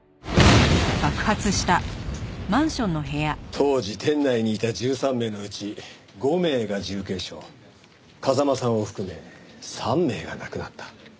当時店内にいた１３名のうち５名が重軽傷風間さんを含め３名が亡くなった。